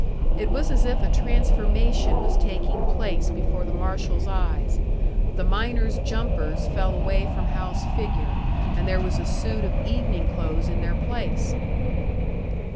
It was as if a transformation was taking place before the marshal's eyes; the miner's "jumpers" fell away from Hal's figure, and there was a suit of evening clothes in their place!